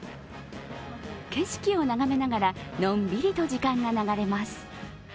景色を眺めながらのんびりと時間が流れます。